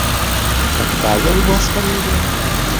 Какая у вас фамилия?